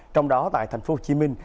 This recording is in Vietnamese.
trong đó tại thành phố hồ chí minh